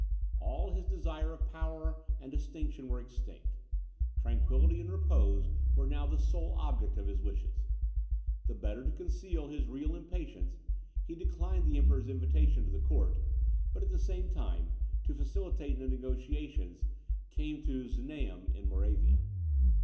All his desire of power and distinction were extinct: tranquillity and repose were now the sole object of his wishes. The better to conceal his real impatience, he declined the Emperor's invitation to the court, but at the same time, to facilitate the negociations, came to Znaim in Moravia.